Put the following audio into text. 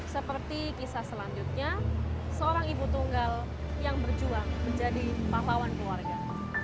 seperti kisah selanjutnya seorang ibu tunggal yang berjuang menjadi pahlawan keluarga